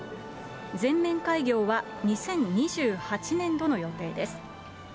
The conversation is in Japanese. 全面開業は２０２８年度の予定です。